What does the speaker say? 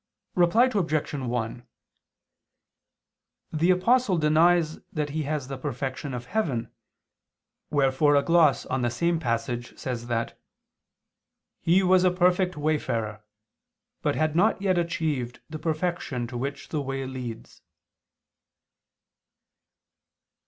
Reply Obj. 1: The Apostle denies that he has the perfection of heaven, wherefore a gloss on the same passage says that "he was a perfect wayfarer, but had not yet achieved the perfection to which the way leads."